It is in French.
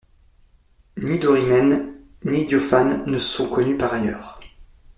Ni Dorymenes, ni Diophanes ne sont connus par ailleurs.